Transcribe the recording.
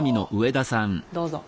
どうぞ。